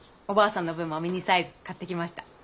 おばあさんの分もミニサイズ買ってきました。